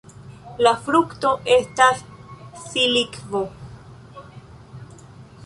La frukto estas silikvo.